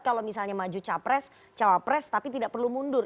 kalau misalnya maju capres cawapres tapi tidak perlu mundur